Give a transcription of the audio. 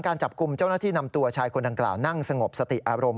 การจับกลุ่มเจ้าหน้าที่นำตัวชายคนดังกล่าวนั่งสงบสติอารมณ์